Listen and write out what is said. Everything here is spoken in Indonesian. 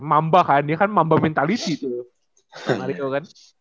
mamba kan dia kan mamba mentaliti tuh